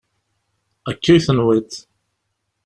Akka i tenwiḍ.